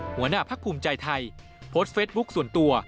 หัวหน้าพักภูมิใจไทยโพสต์เฟสบุ๊คส่วนตัว